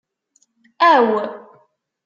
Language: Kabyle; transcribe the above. Aw!